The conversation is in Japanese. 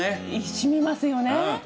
しみますよね。